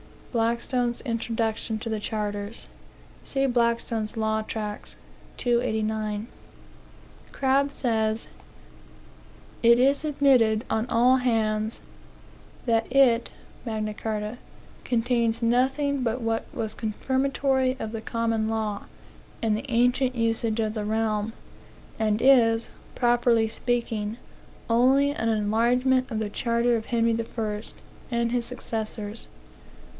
Blackstone's Introduction to the Charters. See Blackstone's Law Tracts, 289. Crabbe says: "It is admitted, on all hands, that it (Magna Carta) contains nothing but what was confirmatory of the common law, and the ancient usages of the realm, and is, properly speaking, only an enlargement of the charter of Henry I., and his successors."